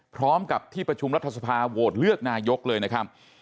พร้อมกับที่ประชุมรัฐสภาโหวตเลือกนายกเลยนะครับ